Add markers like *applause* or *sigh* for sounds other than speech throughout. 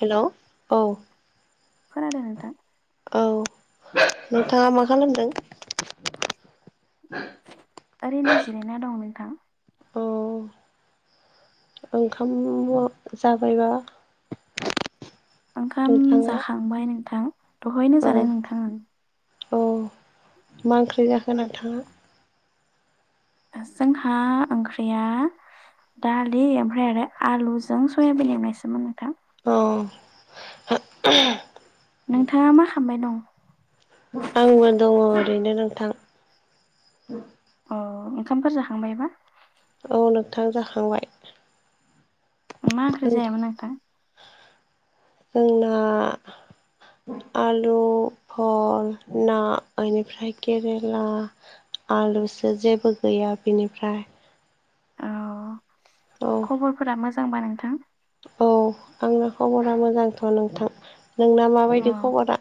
Hello औ। खोनादों नोंथां? औ नोंथाङा मा खालामदों? ओरैनो जिरायना दं नोंथां। औ ओंखाम जाबायबा? ओंखाम नोंथाङा जाखांबाय नोंथां दहयनो जानाय नोंथां आं। अ मा ओंख्रि जाखो नोंथाङा? जोंहा ओंख्रिया दालि ओमफ्राय आरो आलुजों सयाबिन एवनायसोमोन नोंथां। औ। नोंथाङा मा खामबाय दं? आंबो दङ ओरैनो नोंथां। अ ओंखामफोर जाखांबायबा? औ नोंथां जाखांबाय। मा ओंख्रि जायामोन नोंथां? जोंना आलु भल ना ओनिफ्राय केरेला आलुसो जेबो गैया बिनिफ्राय औ खबरफोरा मोजांबा नोंथां। औ आंना खबरा मोजांथ नोंथां नोंना अ माबायदि खबरा?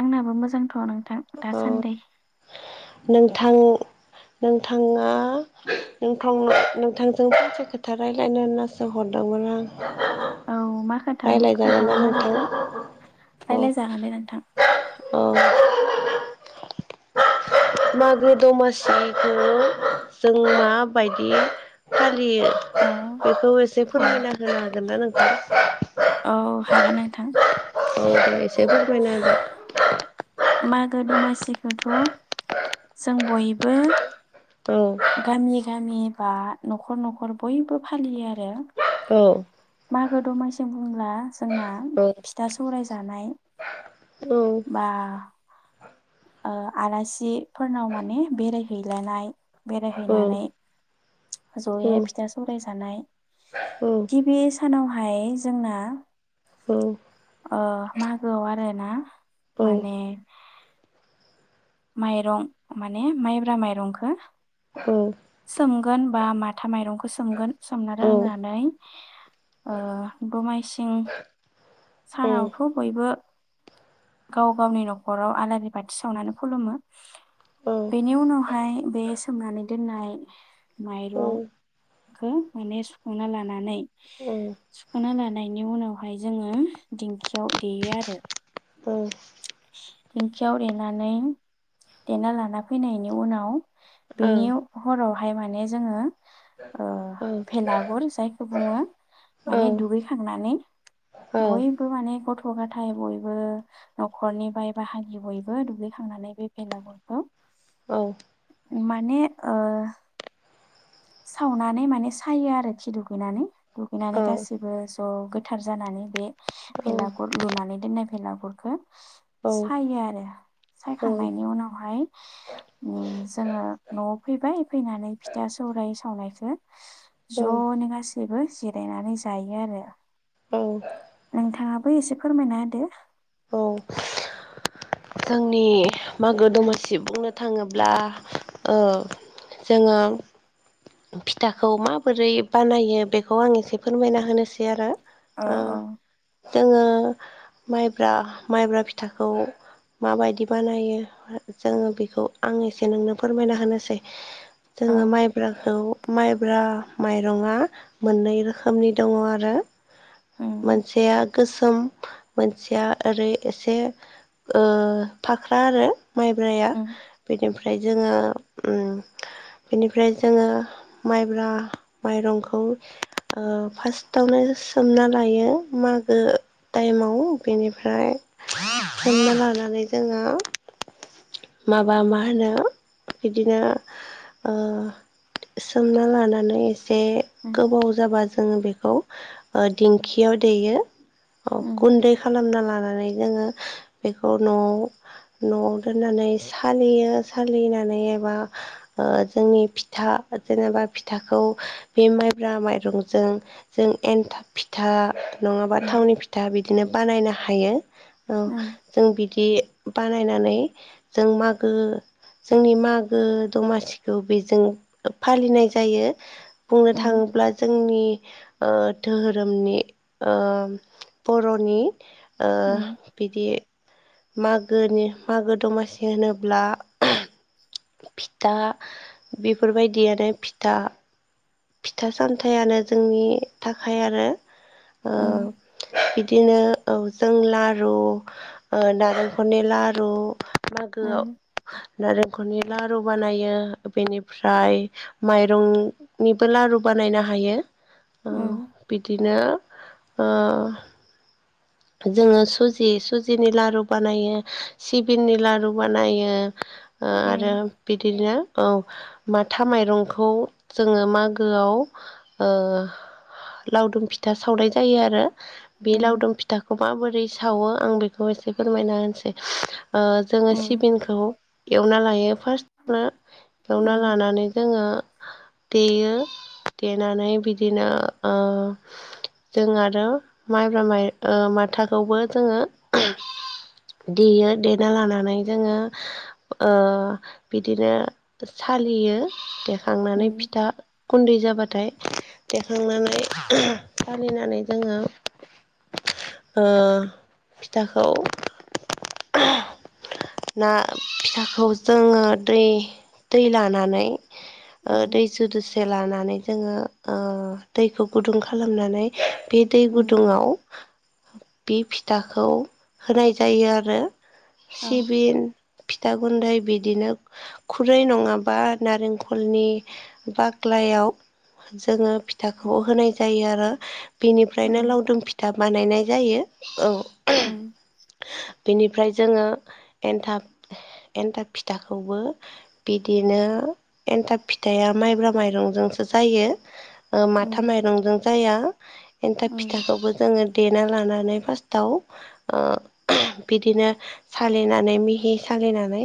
आंनाबो मोजांथ नोंथां औ दासान्दै नोंथां नोंथाङा नोंथां नोंथांजों फंसे खोथा रायलायनो होननासो हरदों। दोंमोन आं। औ मा खोथा रायज्लायजागोन ना खोन्थामोनबा नोंथां? अ रायलाय जागोन दे नोंथांं। अ *unintelligible* मागो दमासिखौ जों माबायदि फालि लियो औ बेखौ एसे औ फोरमायना होनो हागोन ना नोंथां? औ हागोन नोंथां *inaudible* मागो दमासिखौथ जों बयबो होदो गामि गामि बा न'खर न'खर बयबो फालियो आरो। औ। मागो दमासि बुंब्ला जोंना औ फिथा सौराय जानाय औ बा ओ आलासिफोरनाव माने बेरायहैलायनाय। औ औ बेरायहैनानै औ जयैहाय फिथा सौराय जानाय। गिबि सानावहाय जोंना ओ मागोआव आरो ना माने माइरं माने माइब्रा माइरंखो औ सोमगोन बा माथा माइरंखौ सोमगोन सोमना दोननानै। ओ- दमायसिं सानावथ' बयबो। गाव गावनि न'खराव आलारि बाथि सावनानै खुलुमो। बेनि उनावहाय बे सोमनानै दोननाय माइरं। खौ माने सुखांना लानानै। औ सुख'ना लानायनि उनावहाय जोङो दिंखियाव देयो आरो। औ दिंखियाव देनानै, देना लाना फैनायनि उनाव औ बिनि हरावहाय माने जोङो। ओ-भेलागुर जायखौ बुङो औ माने दुगैखांनानै। औ बयबो माने गथ' गथाय बयबो नख खरनि बाय बाहागि बयबो दुगैखांनानै बे बेलागुरखौ। औ माने ओ- सावनानै माने सायो आरो खि दुगैनानै दुगैनानै गासिबो। गोथार जानानै बे भेलागुर लुनानै दोननाय भेलागुरखौ औ सायो। आरो सायखांनायनि उनावहाय उम जोङो न'आव फैबाय फैनानै, फिथा सौराय सावनायखौ औ ज'नो गासैबो जिरायनानै जायो आरो। औ नोंथाङाबो एसे फोरमायना होदो। औ जोंनि मागो दमासि बुंनो थाङोब्ला ओ। जोङो फिथाखौ माबोरै बानायो बेखौ आं एसे फोरमायना होनोसै आरो। औ ओ औ जोङो माइब्रा माइब्रा फिथाखौ माबायदि बानायो जोङो बेखौ आं एसे नोंनो फोरमायना होनोसै। औ जोङो माइब्राखौ माइब्रा माइरङा मोननै रोखोमनि दङ आरो। मोनसेया गोसोम मोनसेया ओरै एसे ओ-फाख्रा आरो माइब्राया बेनिफ्राय जोङो उम। बेनिफ्राय जोङो माइब्रा माइरंखौ ओ- फार्स्टआवनो। सोमना लायो मागो टाइमाव बेनिफ्राय। सोमना लानानै जोङो। माबा मा होनो बिदिनो ओ- सोमना लानानै एसे गोबाव जाबा जोङो बेखौ ओ- दिंखियाव देयो। औ गुन्दै खालामना लानानै जोङो बेखौ न'आव न'आव दो ननानै सालियो सालिनानै एबा ओ- जोंनि फिथा जेनेबा- फिथाखौ बे माइब्रा माइरंजों जों एन्थाब फिथा नङाबा थावनि फिथा बिदिनो बानायनो हायो औ जों बिदि। बानायनानै जों मागो। जोंनि मागो दमासिखौ बेजों फालिनाय जायो। बुंनो थाङोब्ला जोंनि, ओ-धोहोरोमनि ओ- बर'नि ओ- बिदि मागोनि मागो दमासि होनोब्ला - फिथा बेफोरबायदियानो फिथा। फिथा सामथायानो जोंनि थाखाय आरो। ओ- बिदिनो औ जों लारु नालेंखलनि लारु मागोआव नारें खनि लारु बानायो बेनिफ्राय माइरं- निबो लारु बानायनो हायो ओ बिदि बिदिनो ओ जोङो सुजि सुजिनि लारु बानायो सिबिंनि लारु बानायो ओ आरो बिदिनो औ माथा माइरंखौ जोङो मागोआव ओ लावदुम फिथा सावनाय जायो आरो बे लावदुम फिथाखौ माबोरै सावो आं बेखौ एसे फोरमायना होनोसै ओ जोङो सिबिंखौ एवना लायो फार्स्ट एवना लानानै जोङो देयो देनानै बिदिनो ओ जों आरो माइब्रा माइ माथाखौबो जोङो देयो देना लानानै जोङो ओ बिदिनो सालियो दे खांनानै फिथा गुन्दै जाबा- थाय देखांनानै सालिनानै जोङो ओ फिथाखौ ना फिथाखौ जोङो दै दै लानानै ओ दै दोसे लानानै जोङो ओ दैखौ गुदुं खालामनानै बे दै गुदुंआव बे फिथाखौ होनाय जायो आरो सिबिंन फि- था गुन्दै बिदिनो खुरै नङाबा नारेंखलनि बाग्लायाव जोङो फि- थाखौ होनाय जायो आरो बेनिफ्रायनो लावदुम फिथा बानायनाय जायो औ बिनिफ्राय जोङो एन्थाब एन्थाब फिथाखौबो बिदिनो एन्थाब फिथाइया माइब्रा माइरंजोंसो जायो ओ माथा माइरंजों जाया एन्थाब फिथाखौबो आङो देना लानानै फास्थाव ओ बिदिनो सालिनानै मिहि सालिनानै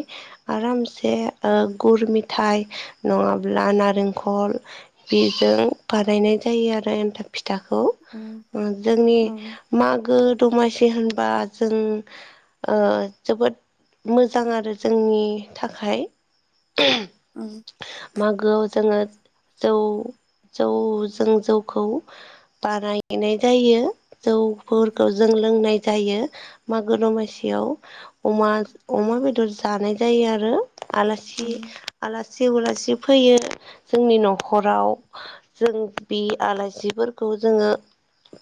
आरामसे ओ गुर मेंथाय नङाब्ला नारेंख- खल बेजों बानायनाय जायो आरो एनथाब फिथाखौ जोंनि मागो दमासि होनबा जों ओ जोबोद मोजां आरो जोंनि थाखाय मागोआव जोङो जौ जौ जों जौखौ बानायनाय जायो जौफोरखौ जों लोंनाय जायो मागो दमासियाव अमा अमा बेदर जानाय जायो आरो आलासि आलासि उलासि फैयो जोंनि न'खराव जों बि आलासिफोरखौ जोङो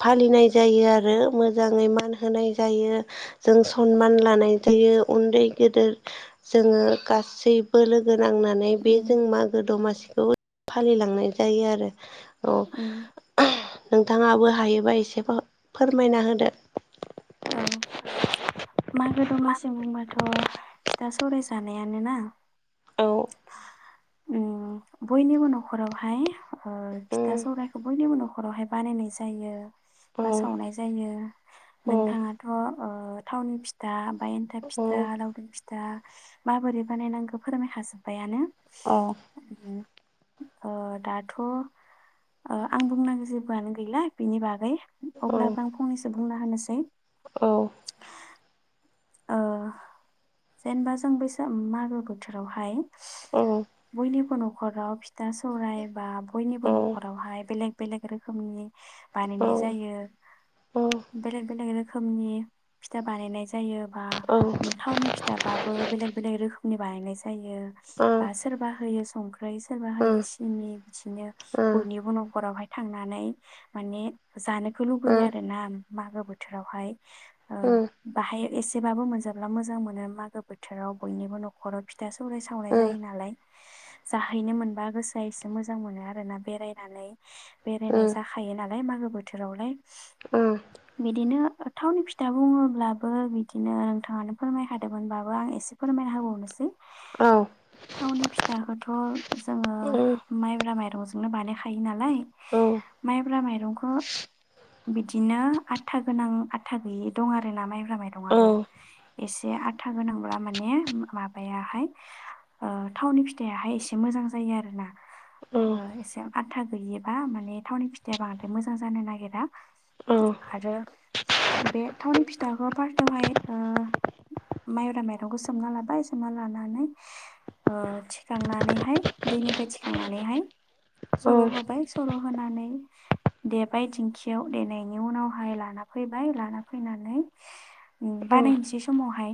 फालिनाय जायो आरो मोजाङै मान होनाय जायो जों सनमान लानाय थोयो उन्दै गेदेर जोङो गासैबो लोगो नांनानै बे जों मागो दमासिखौ फालिलांनाय जायो आरो औ नोंथाङाबो हायोबा एसे फो फोरमायना होदो औ मागो दमासिम बुंबाथ' फाथा सौराय जानायानो ना औ उम बयनिबो नखरावहाय ओ फिथा उम सौराइखौ बयनिबो न' नखरावहाय बानायनाय जायो औ बा सावनाय जायो औ नोंथाङाथ' ओ ओ थावनि फिथा आमफाय एनथाब फिथा औ लावदुम फिथा था माबोरै बानायनांगौ फोरमाय खाजोबबायानो औ उम ओ दाथ' ओ आं बुंनांगौ जेबोआनो गैला बिनि बागै औ अब्लाबो आं फंनैसो बुंना होनोसै औ ओ जेनेबा जों बैसाग मागो बोथोरावहाय औ बयनिबो न' खराव फिथा सौराय बा बयनिबो औ नखरावहाय बेलेग बेलेग रोखोमनि बानायनाय जायो बेलेग बेलेग रोखोमनि फिथा बानायनाय जायो बा थावनि फि थाबाबो बेलेग बेलेग रोखोमनि बानायनाय जायो औ बा सोरबा होयो संख्रै सोरबा होयो सिनि बिदिनो बयनिबो नखरावहाय थांनानै माने जानो खौ लुबैयो आरोना मागो बोथोरावहाय ओ बाहाय एसे बाबो मोनजाब्ला मोजां मोनो मागो बोथोराव बयनिबो नखराव फिथा सौवराइ सावनाय जायो नालाय जाहैनो मोनबा गोसोआ एसे मोजां मोनो आरोना बेरायनानै ओ बेरायनाय जाखायो नालाय मागो बोथोरावलाय बिदिनो थावनि फिथा बुङोब्लाबो बिद बिदिनो नोंथाङानो फोरमायखादोंमोनबाबो आं एसे फोरमायना होबावनोसै थावनि फिथाखौथ' जोङो ओ माइब्रा माइ रंजोंनो बानायखायो नालाय ओ माइब्रा माइरंखौ बिदिनो आथा गोनां आथा गैयि दं आरोना माइब्रा माइरं आबो ओ एसे आथा गोनांब्ला माने माबायाहाय ओ थावनि नि फिथायाहाय एसे मोजां जायो आरो ना ओ एसे आथा गैयैबा माने थावनि फिथाया बांद्राय मोजां जानो नागिरा ओ आरो बे थावनि फिथाखौ फारटआवहाय ओ माइब्रा माइरंखौ सोमना लाबाय सोमना लानानै ओ थिखांनानैहाय दैनिफ्राय थिखांनानैहाय सर' होबाय सर' होनानै देबाय थेंखियाव देनायनि उनावहाय लाना फैबाय लाना फैनानै *inaudible* उम बानायनोसै समावहाय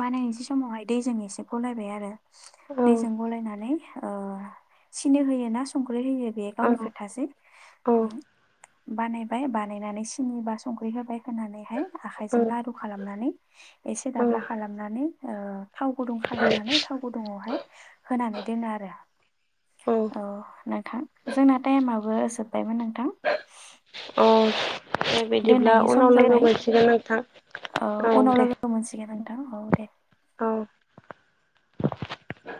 बानायनोसै समावहाय दैजों एसे गलायबाय आरो औ दैजों गलायनानै ओ सिनो होयोना सं ख्रै होयो बे गावनि खोथासै उम बानायबाय बानायनानै सिनि बा संख्रि होबाय होनानैहाय आखायजों लारु खालामनानै एसे औ औ दाब्ला खालामनानै ओ थाव गुदुं खालामनानै थाव गुदुङावहाय होनानै दोनो आरो औ नोंथां जोंना टाइमाबो जोबबायमोन नोंथां बेबायदिब्ला दोननायनि सम उनाव लोगो जाबाय मोनसिगोन नोंथां औ उनाव दे लोगो मोनसिगोन नोंथां औ दे औ *unintelligible*